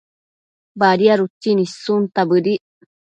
Badiad utsin issunta bëdic